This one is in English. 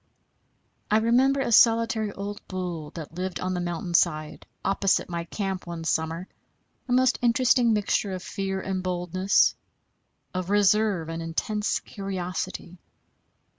I remember a solitary old bull that lived on the mountain side opposite my camp one summer, a most interesting mixture of fear and boldness, of reserve and intense curiosity.